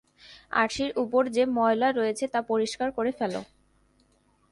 আরশির উপর যে ময়লা রয়েছে, তা পরিষ্কার করে ফেল।